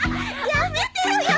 やめてよ